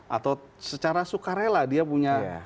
atau secara sukarela dia punya